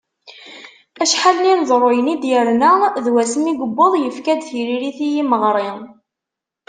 Acḥal n yineḍruyen i d-yerna d wasmi i yuweḍ yefka-d tiririt i yimeɣri.